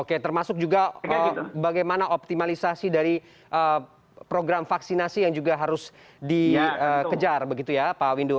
oke termasuk juga bagaimana optimalisasi dari program vaksinasi yang juga harus dikejar begitu ya pak windu